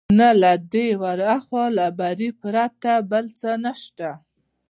نه له دې ورهاخوا، له بري پرته بل څه نشته.